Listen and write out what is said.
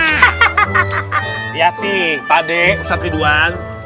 hati hati pak ade ustadz ridwan